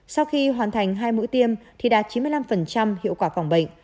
sau khi hoàn thành hai mũi tiêm thì đạt chín mươi năm hiệu quả phòng bệnh